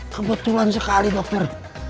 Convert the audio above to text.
kebetulan sekali dokter